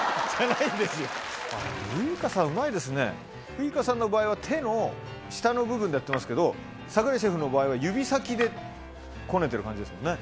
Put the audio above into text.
ウイカさんの場合は手の下の部分でやってますけど櫻井シェフの場合は指先でこねてる感じですもんね。